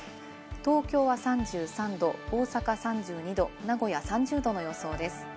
東京は３３度、大阪３２度、名古屋３０度の予想です。